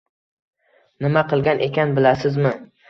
Nima qilgan ekan bilasizmi?